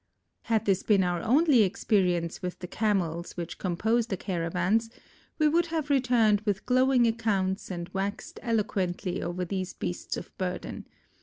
Had this been our only experience with the Camels which compose the caravans, we would have returned with glowing accounts and waxed eloquent over these beasts of burden.